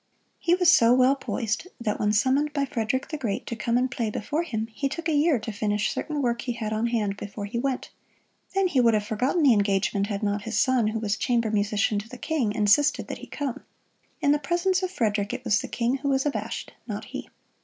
He was so well poised that when summoned by Frederick the Great to come and play before him, he took a year to finish certain work he had on hand before he went. Then he would have forgotten the engagement, had not his son, who was Chamber Musician to the King, insisted that he come. In the presence of Frederick it was the King who was abashed, not he.